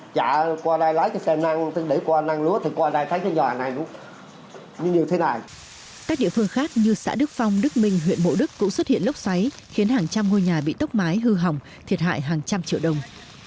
các địa phương khác như xã đức phong đức minh huyện mộ đức cũng xuất hiện lốc xoáy khiến hàng trăm ngôi nhà bị tốc mái hư hỏng thiệt hại hàng trăm triệu đồng